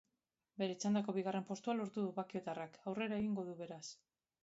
Bere txandako bigarren postua lortu du bakiotarrak, aurrera egingo du beraz.